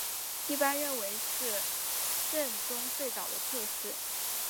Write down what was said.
一般认为是政宗最早的侧室。